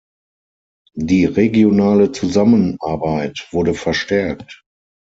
Die regionale Zusammenarbeit wurde verstärkt.